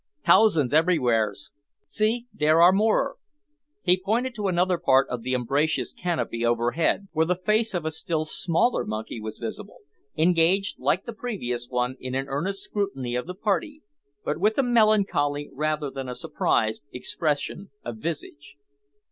T'ousands ebery whars; see, dare am morer." He pointed to another part of the umbrageous canopy overhead, where the face of a still smaller monkey was visible, engaged, like the previous one, in an earnest scrutiny of the party, but with a melancholy, rather than a surprised, expression of visage.